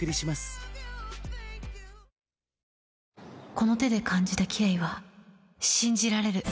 この手で感じたキレイは信じられる。